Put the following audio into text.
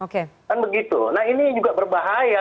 kan begitu nah ini juga berbahaya